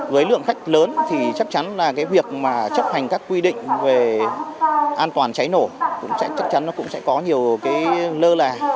với lượng khách lớn thì chắc chắn là việc chấp hành các quy định về an toàn cháy nổ cũng sẽ có nhiều lơ là